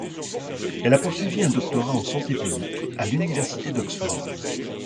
Elle a poursuivi un doctorat en santé publique à l'université d'Oxford.